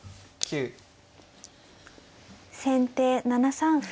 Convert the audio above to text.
先手７三歩。